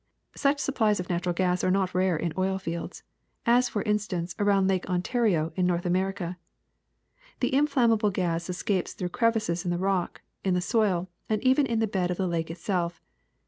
Such supplies of natural gas are not rare in oil fields, as for instance around Lake Ontario in North America. The inflammable gas escapes through crevices in the rock, in the soil, and even in the bed of the lake itself.